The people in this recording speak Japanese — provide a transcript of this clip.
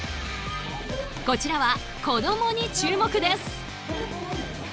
こちらは子どもに注目です。